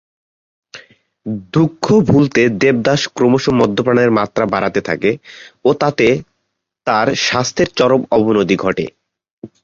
দুঃখ ভুলতে দেবদাস ক্রমশ মদ্যপানের মাত্রা বাড়াতে থাকে ও তাতে তার স্বাস্থ্যের চরম অবনতি ঘটে।